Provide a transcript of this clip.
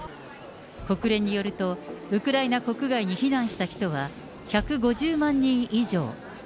国連によると、ウクライナ国外に避難した人は１５０万人以上。